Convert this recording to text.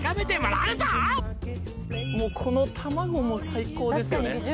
もうこの卵も最高ですよね